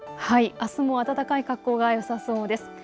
あすも暖かい格好がよさそうです。